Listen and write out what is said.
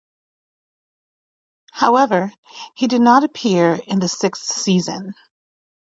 However, he did not appear in the sixth season.